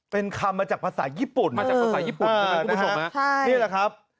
เป็นคำมาจากภาษาญี่ปุ่นคุณผู้ชมนะ